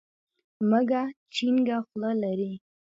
مږه چينګه خوله لري.